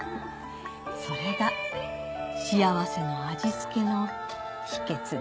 それが幸せの味付けの秘訣です。